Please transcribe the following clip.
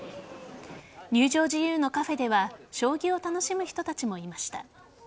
入場自由のカフェでは将棋を楽しむ人たちもいました。